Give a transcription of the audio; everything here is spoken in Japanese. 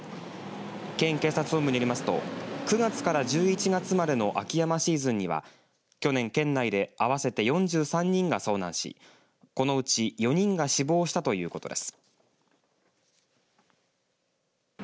県警察本部によりますと９月から１１月までの秋山シーズンには去年県内で合わせて４３人が遭難しこのうち４人が死亡したということです。